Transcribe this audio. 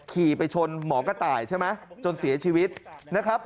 ขี่ไปชนหมอกระต่ายใช่ไหมจนเสียชีวิตนะครับ